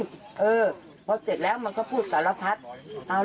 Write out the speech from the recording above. เออพอเสร็จแล้วมันก็พูดสารพัด